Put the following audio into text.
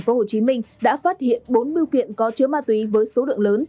lực lượng chức năng tại tp hcm đã phát hiện bốn biểu kiện có chứa ma túy với số lượng lớn